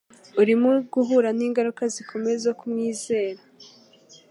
Urimo guhura ningaruka zikomeye zo kumwizera.